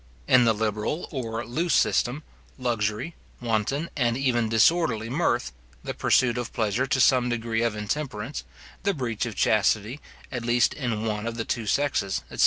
In the liberal or loose system, luxury, wanton, and even disorderly mirth, the pursuit of pleasure to some degree of intemperance, the breach of chastity, at least in one of the two sexes, etc.